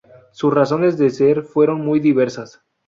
Sus razones de ser fueron muy diversas.